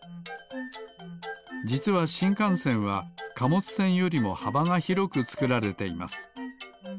じつはしんかんせんはかもつせんよりもはばがひろくつくられています。